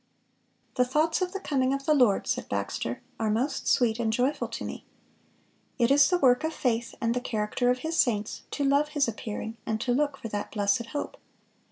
(473) "The thoughts of the coming of the Lord," said Baxter, "are most sweet and joyful to me."(474) "It is the work of faith and the character of His saints to love His appearing and to look for that blessed hope."